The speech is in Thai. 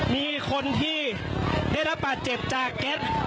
มีคนที่ได้รับบาดเจ็บจากเก็ต